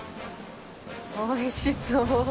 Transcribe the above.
おいしそう。